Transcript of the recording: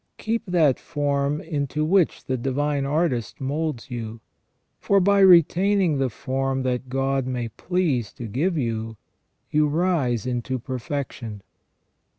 Keep that form into which the Divine Artist moulds you, for by retaining the form that God may please to give you, you rise into perfection.